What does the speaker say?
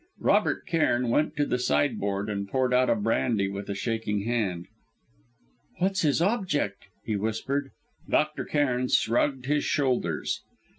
Robert Cairn went to the sideboard, and poured out brandy with a shaking hand. "What's his object?" he whispered. Dr. Cairn shrugged his shoulders.